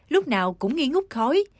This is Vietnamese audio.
lúc nào cũng nghi ngút khói